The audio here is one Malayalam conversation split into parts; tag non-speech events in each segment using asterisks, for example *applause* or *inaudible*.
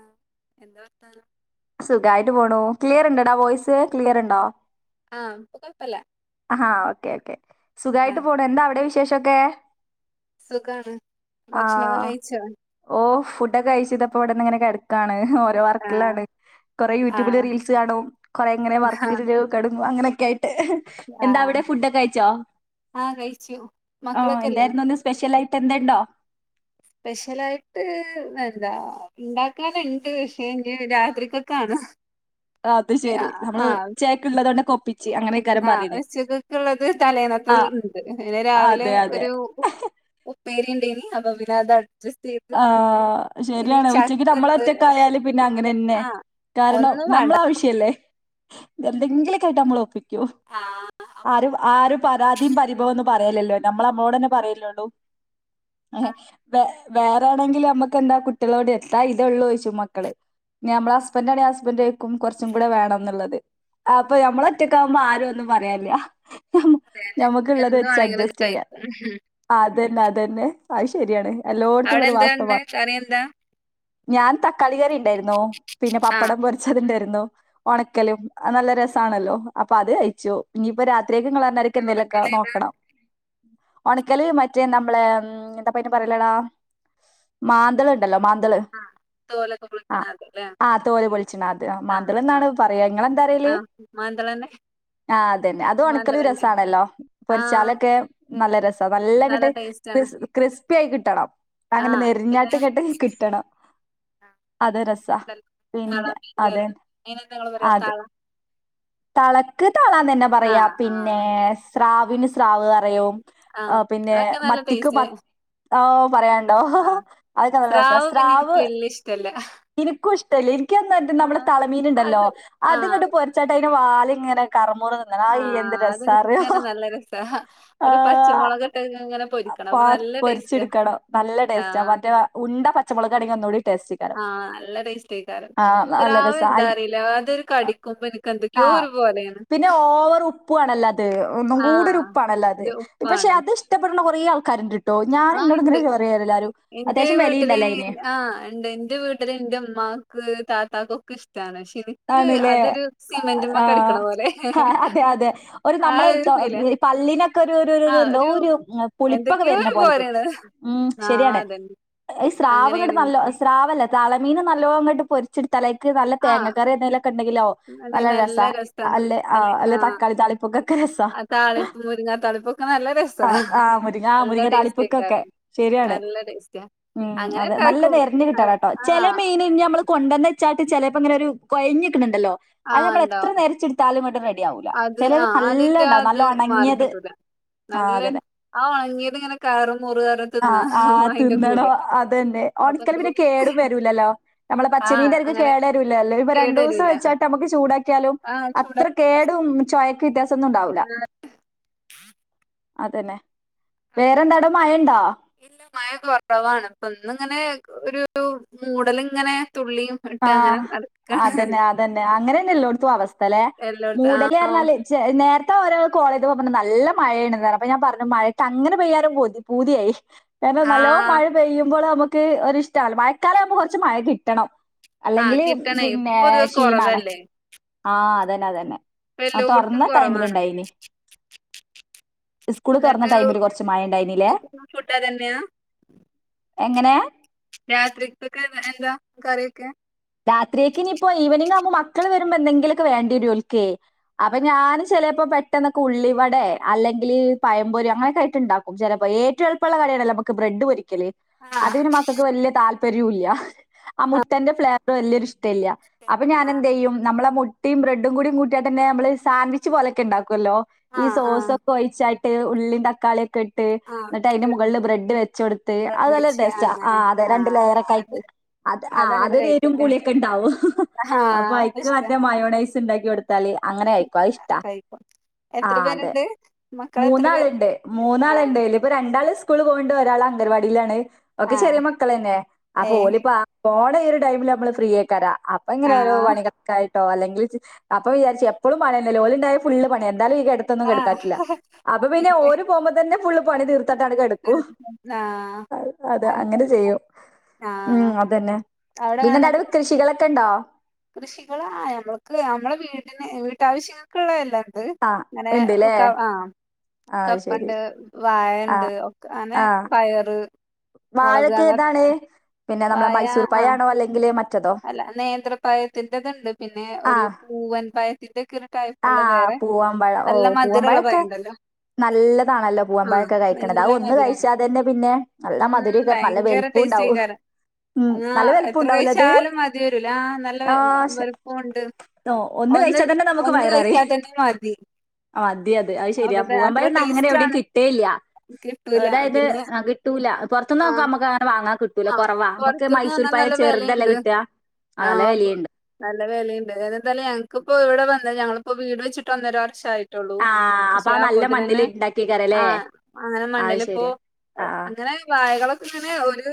ആഹ് എന്താ വാർത്ത സുഖമായിട്ട് പോണു ക്ലിയർ ഉണ്ടോടാ വോയിസ് ക്ലിയറുണ്ടോ? ആഹ് കുഴപ്പമില്ല. ആഹ് ഓക്കേ ഓക്കെ സുഖമായിട്ട് ആഹ് പോണു എന്താ അവിടെ വിശേഷമൊക്കെ സുഖാണ് ഭക്ഷണം ഒക്കെ കഴിച്ചോ ഓഹ് ഫുഡൊക്കെ കഴിച്ച് ഇതപ്പം ഇവിടെ ഇങ്ങനെ കിടക്കാണ് ഓരോ ആഹ് വർക്കിലാണ്. കുറെേ യൂട്യൂബില് ആഹ് റീൽസ് കാണും കൊറെേ ഇങ്ങനെ ആഹ് വർക്കില് തൊടങ്ങും അങ്ങനെയൊക്കെയായിട്ട് എന്താ അവിടെ ആഹ് ഫുഡൊക്കെ കഴിച്ചോ ആഹ് കഴിച്ചു ആ മക്കളൊക്കെല്ലേ എന്തായിരുന്നു ഇന്ന് സ്പെഷ്യൽ ആയിട്ട് എന്തേലുമുണ്ടോ സ്പെഷ്യലായിട്ട് എന്താ ഉണ്ടാക്കാനുണ്ട് പക്ഷെങ്കിൽ രാത്രിക്കൊക്കെ ആണ് അത് ശെരി നമ്മള് ഉച്ചയായിക്കുള്ളതുകൊണ്ട് കൊണ്ട് കൊ ആഹ് ഉച്ചയ്ക്കത്തേക്ക് ഉള്ളത് ആ തലേന്നത്തെത് ഉണ്ട് പിന്നെ രാവിലെ അതെ അതെ ഒരു ഉപ്പ് ഉപ്പേരി ഉണ്ടേനി അപ്പൊ പിന്നത് അഡ്ജസ്റ്റ് ചെയ്ത് ആഹ് ഇനി ശരിയാണ് ഉച്ചക്ക് നമ്മള് ചക്കണ്ട് ഒറ്റക്കായാൽ പിന്നെ അങ്ങനെതന്നെ ആഹ് കാരണം ഒന്നും നമ്മള് വേണ്ട ആവശ്യല്ലേ? എന്തെങ്കിലുമൊക്കെയായിട്ട് നമ്മൾ ഒപ്പിക്കും ആഹ് ആരും ആരും പരാതിയും പരിഭവോം പറയില്ലല്ലോ നമ്മള് നമ്മളോട് തന്നെ പറയല്ലേയുള്ളൂ വേറെ ആണെങ്കിലും നമ്മൾക്കെന്താ കുട്ടികളോട് എന്താ ഇതേ ഉള്ളൂന്ന് ചോദിച്ചു മക്കള് ഞമ്മളെ ഹസ്ബൻഡ് ആണെ ഹസ്ബൻഡ് ചോദിക്കും കുറച്ചും കൂടെ വേണം എന്നുള്ളത് ആഹ് അപ്പൊ ഞമ്മള് ഒറ്റക്ക് ആവുമ്പോ ആരും ഒന്നും പറയാനില്ല അതേ അതേ എന്ത് വേണെങ്കിലും കഴിക്കാം ആഹ് അത് തന്നെ അത് തന്നെ അത് ശരിയാണ് അവിടെ എല്ലായിടത്തുമുള്ളോരു എന്താ ഉണ്ട് വാസ്തവമാണ് കറി എന്താ ഞാൻ തക്കാളി കറി ഉണ്ടായിരുന്നു പിന്നെ ആ പപ്പടം പൊരിച്ചത് ഉണ്ടായിരുന്നു ഉണക്കലും അത് നല്ല രസമാണല്ലോ അപ്പൊ അത് കഴിച്ചു ഇനിയിപ്പം രാത്രിയിലേയ്ക്ക് ഇള്ള് എന്തേലുമൊക്കെ ഉണക്കലേതാ നോക്കണം ഒണക്കല് മറ്റേ നമ്മള് എന്തായിപ്പം അതിന് പറയുന്നെ ങ്ങളോ മാന്തള് ഉണ്ടല്ലോ മാന്തള്. ആ തോലൊക്കെ വിളിക്കണ ആഹ് അതല്ലേ ആഹ് തോല് പൊളിച്ചുള്ളെ അത് മാന്തള് എന്നാണ്. പറയാ നിങ്ങൾ എന്താ പറയല്. മാന്തള് തന്നെ ആഹ് അത് തന്നെ അത് ഒണക്കല് രസമാണല്ലോ ആ പൊരിച്ചാലൊക്കെ. നല്ല രസാ നല്ല അങ്ങോട്ട് ടേസ്റ്റ് ആണ് ക്രിസ് ക്രിസ് കിട്ടണം ആ അങ്ങനെ പിന്നെ ഞെരിഞ്ഞത് അങ്ങോട്ട് കിട്ടണം. അത് ഒര് രസ ഉണ്ടല്ലോ, താള പിന്നെ മീൻ അതെ കറി അതിനെന്താ നിങ്ങള് പറയാ അതെ താള തളക്ക് തളന്ന് തന്നെ ആ പറയാ ആ പിന്നെ സ്രാവിന് സ്രാവ് കറിയും ആ പിന്നെ അതൊക്കെ നല്ല മത്തിക്ക് മ ടേസ്റ്റ് ആഹ് പറയാറുണ്ടോ ആ അതൊക്കെ നല്ലരസാ പിന്നെ എനിക്ക് സ്രാവ്. വലിയ ഇഷ്ടല്ല എനിക്കും ഇഷ്ടല്ല എനിക്കെന്താന്ന് പറയട്ടെ ആ നമ്മുടെ തളമീനുണ്ടല്ലോ അത് ആ അതങ്ങോട്ട് പോ എന്നിട്ടതിൻ്റെ വാലിങ്ങനെ കറു ആഹ് അത് ഇങ്ങനെ നല്ല രസ ഒരു പച്ചമുളക ഇട്ട് ഇങ്ങനെ പൊരിക്കണം അപ്പൊ പാ നല്ല ടേസ്റ്റാ പൊര്ച്ചെട്ക്കണം. നല്ല ന്നാ ടേസ്റ്റാ, മറ്റേ ആ ഉണ്ട പച്ചമൊളകാണെങ്കി ഒന്നൂടി ടേസ്റ്റേക്കാരം ആഹ്, നല്ല ടേസ്റ്റായിക്കാരഅ്. ആഹ് നല്ല രസാ അയ് രാവിലെന്താറീല അതൊരു കടിക്കുമ്പൊന്ക്കെന്തെ *unintelligible* ആഹ് ഒരു പോലെയാണ് പിന്നെ ഓവറ് ഉപ്പു ആണല്ലൊ അത്. ഒന്നും കൂടൊരു ആഹ് ഉപ്പാണല്ലോ അത്. ഒരു പക്ഷെ ഉപ്പാണ് അത് *unintelligible* *unintelligible* കുറേ ആൾക്കാര്ണ്ട്. ആഹ് ഇണ്ട് എൻ്റെ അത്യാവശ്യം വീട്ടില് വിലയുണ്ടല്ലോ അയിന് ആഹ് ഇണ്ട് എന്റെ വീട്ട ത് ന്റെ മ്മാക്ക് താത്താക്കൊക്കെ ഇഷ്ടാണ്. ഷെക് ആന്നില്ലേ ആഹ് പോലെ ആഹ് അതെ അതെ ഒരു ആ നമ്മളെ ഒരു ഫീലാ പല്ലിനൊക്കെ ഒരു ഒരു ഒരു എന്തോ ഒരു പുളിപ്പൊക്കെ എന്തൊക്കെയോ ഒരു വര പോലെയാണ് ഉം ആഹ് ശരിയാണ് അതന്നെ അങ്ങനെയാണ് സ്രാവ്കട്ടല്ലോ എനിക്ക് സ്രാവല്ല തലമീൻ നല്ലോണം അങ്ങോട്ട് പൊരിച്ചിടു തലേക്ക് നല്ല ആഹ് തേങ്ങ വേറെന്തെലൊക്കെണ്ടെങ്കിലോ അല്ലെങ്കി നല്ല രസ. രസാ അല്ലെ ആ അല്ലെ തക്കാളി താളിപ്പൊക്കൊക്കെ രസാ. ആതാളിപ്പ് മുരിങ്ങാ താളിപ്പൊക്കെ നല്ല ആ രസമാണ് മുരിങ്ങ ആ നല്ല മുരിങ്ങ ടേസ്റ്റി താളിപ്പൊക്കൊക്കെ ആയിക്കറാണ് ശരിയാണ് നല്ല ടേസ്റ്റാ. ഉം അതെ നല്ല ഇണ്ടാക്കും നിരഞ്ഞു കിട്ടാന അത് കേട്ടോ ചില ആഹ് ഇ നമ്മള് കൊണ്ടുവ വെച്ചാട്ട് ചിലപ്പോ ഇങ്ങനെ ഒരു കൊഴഞ്ഞിട്ടുന്നുണ്ടല്ലോ അത് ആഹ് നമ്മൾ എത്ര ഇണ്ടാവും നേരച്ചെടു ത്താലും വട്ടും റെഡി ആവൂല അത് ചിലത് ആഹ് നല്ല അതിന്റെ ആ ഉണ്ടാവും ഇത് നല്ലോ ഉണങ്ങിയത് മാറിക്കിട്ടൂല ആഹ് നല്ല അതന്നെ ആ ഒണങ്ങിയത് ഇങ്ങനെ കയറ് മുറ് പറഞ്ഞ് തിന്നാ ആഹ് അഹ് അയിന്റെ തിന്നടോ കൂടെ അതന്നെ അപ്പൊ ഓണിക്കൽ എന്തോ പിന്നെ കേടും വരുല്ലല്ലോ നമ്മളെ ആഹ് പച്ചമീൻന്റെ അങ്ങനെ അക്കകേട വരുല്ലല്ലോ എല്ലാരും പറ കേട് ദിവസ വരൂല വെച്ചട്ട് നക്ക് ചൂടാക്കിയാലും ആഹ് ചൂടാ അത്ര ചോയക്ക് വ്യത്യാസം ഒന്നും ഉണ്ടാവൂല്ല അതന്നെ വേറെന്താടെ മഴണ്ടാ മയ കുറവാണ് അപ്പൊ ഒന്നിങ്ങനെ ഒരു മൂടലിങ്ങനെ തുള്ളിയും ഇട്ട് അങ്ങനെ ആഹ് നടക്കാണ് അതന്നെ അതന്നെ അങ്ങനെന്നെ എല്ലോടത്തും അവസ്ഥ അല്ലെ എല്ലോട്ത്തും ആഹ് മൂടല്ഞ്ഞാല് നേരത്തെ ഒരാൾ കോളേത് പറഞ്ഞ് നല്ല മഴയാണന്നു അപ്പൊ ഞാൻ പറഞ്ഞു മഴക്ക് അങ്ങനെ പെയ്യാലും പോതി പൂതിയായി കാരണം നല്ലോണം ആഹ് മഴ പെയ്യുമ്പോൾ നമുക്ക് ഒരിഷ്ടല്ല മഴക്കാലം ആവുമ്പോ കുറച്ച് മഴ കിട്ടണം ആഹ് അല്ലെങ്കില് കിട്ടണേ ഇപ്പൊ പിന്നേ പൊതുവെ ഷീണാണ്. കൊറവല്ലേ ആഹ് അതന്നെ, അതന്നെ. ഇപ്പ ആ എല്ലോട്ത്തും തൊർന്ന കൊറവാണ് ടൈമിലിണ്ടായിനി. സ്കൂള് തുറന്ന എന്നിട്ട് ടൈമില് കൊറച്ച് മായ ഉണ്ടായിനല്ലേ ഇങ്ങക്കും ഫുഡ് അതന്നെയാ എങ്ങനെ രാത്രിക്കൊക്കെ ദാ എന്താ കറിയൊക്കെ? രാത്രിയേക്കിനിയിപ്പോ ഈവനിങ്ങാവുമ്പം മക്കള് വരുമ്പന്തെങ്കിലൊക്കെ വേണ്ടിരോൽക്കെ. അപ്പൊ ഞാൻ ചിലപ്പോ പെട്ടെന്നൊക്കെ ഉള്ളിവിടെ അല്ലെങ്കിൽ പയംപൊര അങ്ങനെയൊക്കെ ആയിറ്റണ്ടാക്കും ചിലപ്പോ ഏറ്റവും എളപ്പമുള്ള കളിയണല്ലേ നമുക്ക് ബ്രെഡ് പൊരിക്കലേ ആഹ് അതിന് വല്യ താല്പര്യല്ല ആ ആഹ് മുട്ടൻ്റെ ഫ്ലാവ വല്യൊര് ഇഷ്ടല്ല്യ. അപ്പൊ ഞാനെന്തെയ്യും നമ്മളെ മു ട്ടിയും ബ്രെഡും കൂടി കൂട്ട്യാട്ടെന്നെ അമ്മള് സാൻവിച്ച് പോലൊക്കെണ്ടാക്കൊല്ലോ, ഈ ആഹ് ആഹ് ആഹ് സോസൊക്കെ ഒഴിച്ചാ ഉള്ളിയും തക്കാളിയ ഒക്കെ ഇട്ട് ട്ട്, ന്നട്ട് അയിന്റെ ആഹ് മുകൾല് ബ്രെഡ് വെച്ചൊട്ത്ത്, ബ്രെഡ് അത് നല്ലര് വെച്ച് ടേസ്റ്റാ. ആ അങ്ങനെ അതെ രണ്ട് ആഹ് അത് ലെയറൊക്കായിട്ട്. അത് ആഹ് അതങ്ങനെ അതൊരു എരുവും കഴിക്കുംല്ലേ പുളിയൊക്കെ ഉണ്ടാവും ആഹ് അപ്പൊ അപ്പ ഐക്ക് ഇഷ്ടാ മറ്റേ മയോണൈസ് ഉണ്ടാക്കി കൊടുത്ത *unintelligible* ല് അങ്ങനെ ആയിക്കു അഇഷ്ടാ. കഴിക്കും എത്ര ആഹ് അതെ പേര്ണ്ട് മക്കളെത്ര പേര് മൂന്നാളുണ്ട് ആഹ് മൂന്നാളുണ്ടല ഇപ്പൊ രണ്ടാള് സ്കൂൾ പോകണ്ട് ഒരാൾ അംഗർവാടിയിലാണ് ഒക്കെ ചെറിയ ആഹ് മക്കള തന്നെ ആ ഏഹ് പോലിപ്പോ കോട ഒരു ടൈമില് നമ്മള് ഫ്രീയക്കരാം അപ്പൊ ഇങ്ങനെ ഓരോ ആഹ് യിട്ടോ അല്ലെങ്കിൽ അപ്പം വിചാരി എപ്പോഴും പണിയല്ല ഒലോലിണ്ടായ ഫുള് പണി എന്താല ഈ *unintelligible* ആഹ് അപ്പൊ പിന്നെ പോക്പ തന്നെ ഫുള് പണി തീർ പട്ടടക്ക് എടുക്കൂ ആഹ് അത് അങ്ങനെ ചെയ്യും ഉം ആഹ് അതന്നെ പിന്നെന്താ ടുവ് കൃഷികളൊക്കെണ്ടോ? കൃഷികളാ നമ്മക്ക് നമ്മെ വീടിന് വീട്ടാവശ്യങ്ങ ക്ക്ളെല്ലാര്ത് ആ നല്ലേ ഇണ്ട്ല്ലേ ഉക്കെ ആഹ് ആഹ് ശരി കപ്പണ്ട് വായണ്ട് ആഹ് ഒക്കനെ പയറ് മുളക് അങ്ങനത്തെ വാഴൊക്കേതാണ് പിന്നെ നമ്മളെ വായ മൈസൂർ ആ പഴാണോ അല്ലെങ്കിൽ മ അല്ല നേന്ത്രപഴത്തിന്റെത്ണ്ട് പിന്നെ ഒരു ആഹ് പൂവൻപഴത്തിന്റെക്കെ ആഹ് പൂവമ്പയം ഓ മധുരള്ള പൂവമ്പഴൊക്കെ പഴണ്ടല്ലോ നല്ലതാണല്ലോ ആ പൂവമ്പയൊക്കെ കഴിക്കണത് നല്ല അതൊന്ന് മധുരാ കഴിച്ചാ തന്നെ പിന്നെ നല്ല മധുരൊക്ക നല്ല വേൽ ട്ടേസ്റ്റയ്കാരം ആഹ്ങ്ങഎത്ര ഗൈസ് ഉണ്ടാവൂലേ അത് ചാലുംമാതിരൂല ആഹ് നല്ല ആഹ് ശ വെലുപ്പുണ്ട് ഓ ഒന്ന് കഴിച്ചാൽ തന്നെ ഒ ഒന്ന് കൈച്ചാ തന്നെ മാതി ആഹ് അതെയതെ അയ്‌ശരിയാ പൂവമ്പയൊന്നു ടേസ്റ്റ് ആണ് അങ്ങനെവിടെം കിട്ടേയില്ല കിട്ടൂല അതായത് പിന്നെ കിട്ടൂല ആ പൊർത്ത്ന്നൊക്ക മ്മക്കങ്ങനെ വാങ്ങാൻ കിട്ടൂല കൊറവാ നമക്ക് ക്ക് മൈസൂർ പയം ചെറുതല്ലെ കിട്ട് ആഹ് പോ നല്ല വെലീണ്ട് എന്തായാലും ഞങ്ങക്കിപ്പോ ഇവിടെ വന്ന ഞങ്ങപ്പോ വീട് വെച്ചിട്ട്ന്നര വർഷമായി ട്ടൊള്ളൂ ആഹ് അപ്പൊ പക്ഷെ ആ ആഹ് നല്ല പോത്തിനന്നെ മണ്ണില് ഇണ്ടാക്കിയേക്കാരല്ലേ ആഹ് അങ്ങനെ അത് മണ്ടലിപ്പോ ശരിയാ ഓഹ് ആഹ് അങ്ങനെ വായകളൊ അങ്ങനെ ഓര്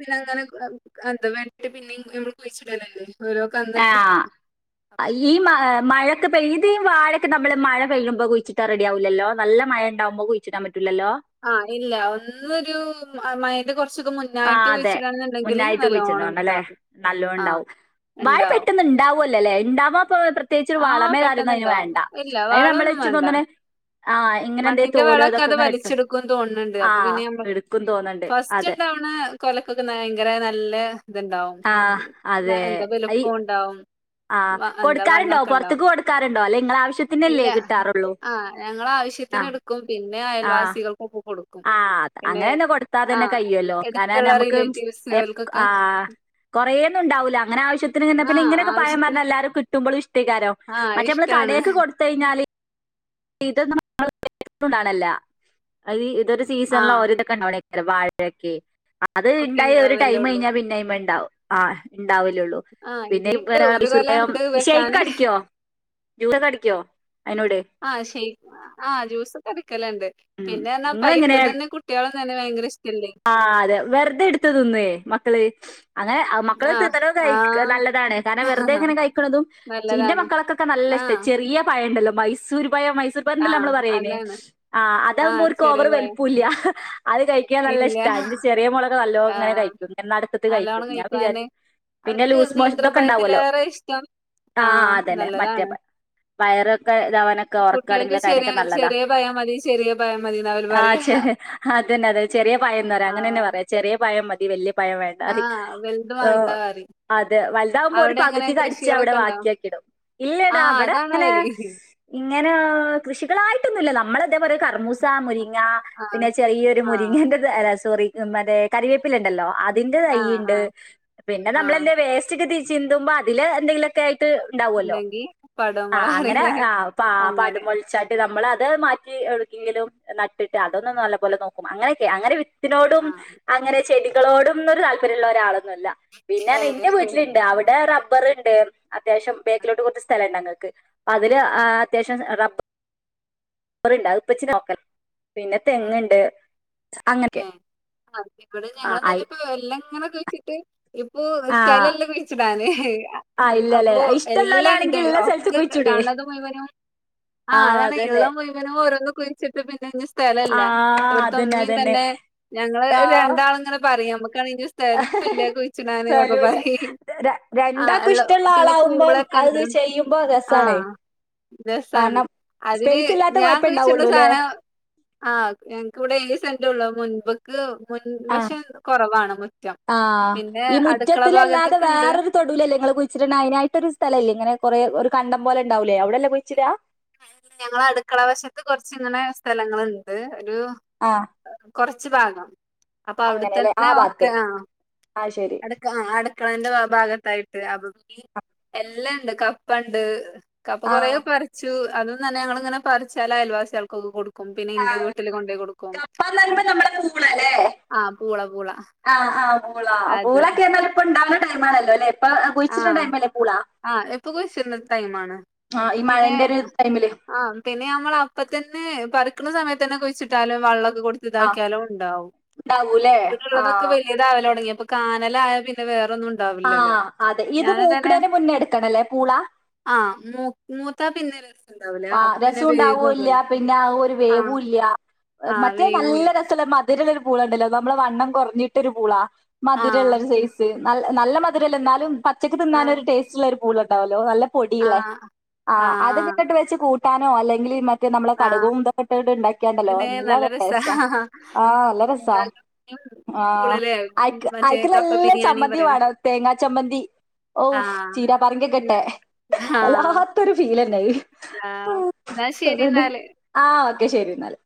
പിന്ന അങ്ങനെ എന്താ വേണ്ടി പിന്നെ നമ്മള് കുഴിച്ചിടല്ലേ ഓരോ കന്ന്ട് അഈ മഴ മഴൊക്കെ പെയ്‌തീൻ വാഴൊക്കെ നമ്മള് മഴ പെയ്യുമ്പോ കുഴിച്ചിട്ടാ റെഡിയാവൂല്ലല്ലോ നല്ല മഴ നമ്മക്ക് കുഴിച്ചിടാൻ പറ്റൂലല്ലോ ആഹ് ഇല്ല ഒന്നൊരു മയന്റെ കൊറച്ചൊക്കെ മുന്നെ ആഹ് അതെ മുന്നായിട്ട് കുഴിച്ച്ട്ണോന്നല്ലേ ഇതാകും ആ നല്ലോണ്ടാവും വാഴ ഇണ്ടാവും പെട്ടെന്ന് ഉണ്ടാവൽ ല്ലല്ലേ ഇണ്ടാവാപ്പോ പ്രത്യേകിച്ച് ആ വളമേ പെട്ടെന്ന് കാര്യോന്നും അതിന് ഇണ്ടാവും വേണ്ട ഇല്ല അയ്‌ നമ്മളെ വളൊന്നും ച്ച് വേണ്ട തോന്ന്ണ് ആഹ് ഇങ്ങനെ എന്തേ മണ്ണിന്റെ തോലോ വളൊക്കെ ഇതൊക്കെ അത് ഇങ്ങനെ ഇട്ടോ വലിച്ചെടുക്കും തോന്നുന്നുണ്ട് ആഹ് എടുക്കും തോന്നണ്ട് അതെ ഇത്തവണ കൊലക്കൊക്കൊന്നാ ഭയങ്കര നല്ല ത്ണ്ടാവും ആഹ് ന്നെ അതെ ഈ എന്തെങ്കിലൊക്കെണ്ടാവും ആഹ് കൊടുക്കാറുണ്ടോ പൊർ ലോ ഇല്ല കിട്ടാറുള്ളൂ ആഹ് ആഹ് ഞങ്ങളാവശ്യത്തിനെടുക്കും പിന്നെ അയൽവാസികൾ കൊക്കൊക്കൊ കൊടുക്കും അത് പിന്നെ അങ്ങനന്നെ ആ കൊടുത്താതന്നെ കയ്യുല്ലോ കാരണം അടുത്തുള്ള നമ്ക്ക് സ് എ റിലേറ്റീവ്സുകൾക്കൊക്കെ ആഹ് കുറേന്നുണ്ടാവൂല അങ്ങനെ ആവ്യത്തിന്ന്നെ ആ പിന്നെങ്ങനെയൊക്കെ ആവശ്യത്തിന് പയംവര്നല്ലാരും കിട്ടുമ്പോളും ഇഷ്ടൈക്കാരം ആ മറ്റേമ്മള് ഇഷ്ടാണ് കടേക്ക് കൊടു തൈഞാല് ഇത് *unintelligible* ആ സീസണ്ലാ ഓരിതൊക്കെ ഇണ്ടാവ്ണൈക്കാരം വാഴൊക്കെ ഒക്കെ അത്ണ്ടായി ഒരു ഉണ്ടാവല്ലേ ഉള്ളൂ ടൈമെയ്ഞ്ഞാ പിന്നയ്മണ്ടാവും ആഹ് ണ്ടാവല്ലോള്ളൂ ആ പിന്നെ ഇനിയുണ്ട് ഒരു കൊല *unintelligible* ഉണ്ട് വെട്ടാന് ശേക്ക് അടിക്ക്യോ ജൂസക്കടിക്കോ അയിനോട് ആഹ് ഷൈ ആഹ് ജ്യൂസ് ക്കെടിക്കല്ണ്ട് ഉം പിന്നെന്നർ പൈ നിങ്ങളെങ്ങനെ പ്പതന്നെ കുട്ട്യോളന്നന്നെ ഭയങ്കരഷ്ടല്ലേ ആഹ് അതെ വെറുതെട്ത്ത്തിന്നേ മക്കള് അങ്ങനെ മക്കള് ആഹ് തിനണ്ത് ദഹിക്ക് ആഹ് നല്ലതാണ് കാരണം വെറുതെങ്ങനെ കഴിക്ണതും ചീന്റെ നല്ലതാണ് മക്കളക്കൊക്കെ നല്ലയ്ഷ്ട ആഹ് ചെറിയ പയണ്ടല്ലോ മൈസൂര് പയം മൈ സുർ കോ രില്ലല്ലോ ആഹ് നമ്മള് പറേല് അതാണ് ആന്ന് ആഹ് അതാകുമ്പോര് ചെറിയ പോവറ് പയം വൽപ്പൂല്യാ ഹഹ് അത് കയിക്കാൻ ഇല്ല നല്ലഷ്ട്ടാ ന്റെചെറ്യമോളൊക്കെ നല്ലോങ്ങനെ ആഹ് കയിക്കും എന്നാടുത്ത്ത്ത് കയിക്കും നല്ലോണം ഞാൻ വിചാരി കഴിക്കാന് പിന്നെ അവർക്ക് ലൂസ് മോഷ് തൊക്കെണ്ടാവല്ലോ നീന്ത്രപയത്തിലേറെ ഇഷ്ടം ആഹ് അതന്നെ മറ്റേപ്പ വയറൊക്കെ ഇതാവാനൊക്കെ ഒറക്കാണെങ്കിലൊക്കെ അതിനൊക്കെ നല്ലതാ പറയാം മതി ശരിയ പോയാ മതിന്നവര് ആഹ് ചെ അതന്നെ അതെ ചെറ്യപയംന്ന് പറയാ അങ്ങനന്നെ ആഹ് പറയാ ചെറ്യപയം മതി വല്യ പഴം വേണ്ടാറി ആഹ് വലുത് ഓ വാണ്ട പറിം അതെ വൽതാവ്മ്പോ ഒരു അവിടെ എങ്ങനെ പകുതി കടിച്ച് അവടെ കൃഷികളൊക്കെ ഉണ്ടോ ബാക്കി ആക്കിടും. ഇല്ലടാ. ആഹ് ഇവടെ അതാണ് അങ്ങനെ അവര് ഇങ്ങനെ കൃഷികളായിട്ടൊന്നുല്ല. നമ്മെളെതെ *unintelligible* കർമ്മൂസ് മുരിങ്ങ, ആഹ് പിന്നെ ചെറിയൊരു ആഹ് മുരിങ്ങേന്റെത് അല്ല സോറി, മെറ്റേ കരിവേപ്പിലൊണ്ടല്ലോ. അതിന്റെ ആഹ് തയ്യ്ണ്ട്. ആഹ് പിന്നെ ആഹ് നമ്മളല്ലേ വേസ്റ്റെക്കെക്കി ചിന്തുമ്പോ അതില് എന്തെങ്കിലും ത്തായിട്ട് ഉണ്ടാവൊല്ലോ. ഉണ്ടെങ്കി പടവമൊള ആഹ് അങ്ങനെ അറിയണേ ആഹ് പാ അങ്ങനെ പടുമൊഴിച്ചാ നമ്മളത് മാറ്റി എവെടെക്കെങ്കിലും നട്ടിട്ട് അതൊന്നു നല്ല പോലെ നോക്കും. അങ്ങെനെക്കെയാ. അങ്ങനെ വി ത്തിനോടും ആഹ് അങ്ങെനെ ചെടികളോടുന്നൊരു താല്പര്യമൊള്ളാരാളൊന്നുവല്ല. പിന്നെ അർഞ്ഞ ഏഹ് ഇന്റെ വീട്ടില്ണ്ട്. അവെടെ റബ്ബറ് ബ്ബേർ അത്യാവശ്യം ബേക്കിലോട്ട് കൊർച്ച് സ്ഥലണ്ടങ്ങക്ക്. അതില് ആഹ് അത്യാവശ്യം റബ്ബ റ്ണ്ട്. അത്പ്പച്ചിനെ നോക്കൽ പിന്നെ തെങ്ങ്ണ്ട്. ഏ ആഹ് ഇവടെ ഞങ്ങളെ ആയി വല്ലിപ്പ വെല്ലെങ്ങനെ കുഴ്ച്ചിട്ട് ഇപ്പൊ ആ സ്ഥലല്ലാക്കുഴി കുഴിച്ചിടാനേ. ആ ഇല്ലല്ലേ അപ്പൊ എല്ലാണ്ട്. ഇഷ്ടമുള്ളവരാണെങ്കിൽ ഉള്ള സ്ഥലത്ത് ഒക്ക കുഴിച്ചിടേ കാണത് മുഴുവനും ആ ആഹ് അതാണ് അതന്നെ ഇള്ളം മുഴുവനും ഓരോന്ന് കുഴ്ച്ചിട്ട് പിന്നെയ്ന് സ്ഥലല്ല. ആ ഇവടെത്ത അതന്നെ മ്മിം അതന്നെ തന്നെ. ഞങ്ങള് ആ ഒര് രണ്ടാള്ങ്ങനെ പറയും. നമുക്കാണങ്കി സ്ഥ തലമില്ല കുഴിച്ച്ടാന് ന്നൊക്കെ സ്ഥലമില്ല പറയും. ര- ആഹ് രണ്ടാക്കും എള്ള് ഇഷ്ടമുള്ള പിന്നെ പൂള ആളാവുമ്പം അത് ക്കണ്ട്. ചെയ്യുമ്പോ രസാണ് ആഹ് രസാണ്. കാരണം അതിന് സ്പേസ് ഇല്ലാത്ത ഞാൻ കുഴിച്ച്ട്ണ കുഴപ്പമുണ്ടാവുള്ളൂ അല്ലേ സാനം ആഹ് ഞങ്ങക്ക് വടെ ഏഴ് സെൻ്റൊള്ളോ മുൻപ്. ക്ക് ആ മുൻവശം കൊറവാണ് മുറ്റം. ആ പിന്നെ അടുക്കള ഭാഗത്ത്ക്ക്ണ്ട്. തൊടൂലല്ലേ ഇങ്ങള് കുഴിച്ച്ടണ അയ് നായിട്ടൊരു സ്ഥലല്ലേ ഇങ്ങനെ കൊറെ ഒര് കണ്ടം പോലെണ്ടാവ് ലേ അവടല്ലേ കുഴിച്ച്ടാ ഞങ്ങളെ അടുക്കള വശത്ത് കൊർച്ചിങ്ങനെ സ്ഥലങ്ങള്ണ്ട് ഒരു. ആഹ് കൊർച്ച് ഭാഗം. അപ്പൊ അവ്ടത്തന്നെയൊക്കെ ആഹ് അ ശരി അടക്ക ആ അടക്കളേന്റെ ഭാഗത്തായിട്ട് *unintelligible* എല്ലാണ്ട് കപ്പണ്ട്. കപ്പ ആ കൊറേ പറിച്ചു. അതിതന്നെ ഞങ്ങളിങ്ങനെ പറിച്ചായൽവാസികൾക്കൊക്കെ കൊടുക്കും. ക്കും പിന്നെ ആ, എന്റെ വീട്ടില് കൊണ്ടൈ കൊടുക്കും. കപ്പ എന്ന് പറയുമ്പോ നമ്മളെ ആഹ് പൂള പൂള. ആഹ് ആഹ് ബൂള. അത് ബൂളൊക്കെന്നാലിപ്പയൊണ്ടാവണ ടൈമാണല്ലോല്ലേ? ആഹ് ആഹ് ഇപ്പ കുഴിച്ച്ട്ണ ടൈമാണ്. ആ ഇപ്പ ഈ പിന്നെ മഴന്റെ ഒരു ടൈമില് ആം പിന്നെ നമ്മെളപ്പത്തന്നെ പറിക്ക്ണ സമയത്തന്നെ കുഴിച്ചിട്ടാലും വള്ളൊക്കെ കൊടി ആ ഇതാക്കിയാലും ഉണ്ടാവും. ഉണ്ടാവൂലേ ആ ഇവടള്ളതെക്കെ ക്ക് വെയി ഇതാവലോടങ്ങി അപ്പൊ കാനലായപ്പിന്നെ വേറൊന്നും ആ ഉണ്ടാവില്ലല്ലോ. അതെ ഇത് ഞാന് തന്നെ മൂക്ക്ണേന് മുന്നെയെടുക്കണല്ലേ പൂള. ആഹ് മൂ മൂത്താ പിന്നെ രസ ആ രെസം ഉണ്ടാവോല്യാ. പിന്നെ ഒരു ആഹ് വേവൂല്യാ. ആഹ് മറ്റേ നല്ല വേഗൂല്ല രെസ *unintelligible* മധുരള്ളൊരു പൂളണ്ടല്ലോ. നമ്മള് വണ്ണം കൊറഞ്ഞിട്ടൊരു പൂള. ആഹ് മധുരള്ളൊരു സൈസ്. *unintelligible* നല്ല നല്ല മധുരെല്ല എന്നാലും പച്ചക്ക് ആഹ് തിന്നാനൊരു ടേസ്റ്റുള്ളൊരു പൂളണ്ടാവല്ലോ. നല്ല പൊടിയ്‌ള്ള. ആഹ് ആ ആഹ് ആഹ് അതെക്കെട്ടങ്ട്ട് വെച്ച് കൂട്ടാനോ അല്ലെങ്കില് മ റ്റ് നമ്മളെ ആഹ് കടുകും ഇതൊക്കെട്ട് ട്ട് ഇണ്ടാക്കിയാണ്ടല്ലോ പിന്നെ നല്ല രസാ ടേസ്റ്റാ. ആഹ് നല്ല രസാ. ആഹ് സ്കൂളിലെ അയ്ക്ക് മറ്റേ അയക്ക്ല്ല കപ്പ എല്ലാ ബിരിയാണി ചമ്മന്തിം പറയണ വാണം. തേങ്ങാ ചമ്മന്തി ഔ ആഹ് ചീരാപറങ്കി ഒക്കെട്ടെ. ആഹ് വല്ലാത്തൊരു ഫീലെന്നെത്. ആഹ് ന്നാ ശരിന്നാല്. ആ ഓക്കെ ശരിന്നാല്